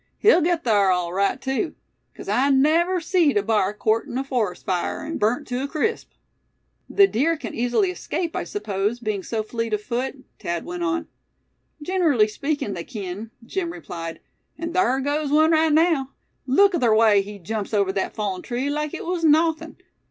He'll git thar, awl rite, too; 'cause I never seed a bar cort in a forest fire, an' burned tew a crisp." "The deer can easily escape, I suppose, being so fleet of foot?" Thad went on. "Gin'rally speakin' they kin," Jim replied; "an' thar goes wun rite naow. Look at ther way he jumps over thet fallen tree like it was nawthin'.